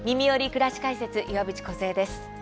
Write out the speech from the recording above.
くらし解説」岩渕梢です。